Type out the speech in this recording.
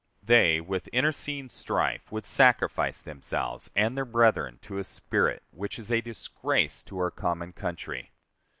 They with internecine strife would sacrifice themselves and their brethren to a spirit which is a disgrace to our common country.